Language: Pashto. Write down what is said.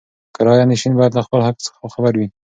کرایه نشین باید له خپل حق څخه خبر وي.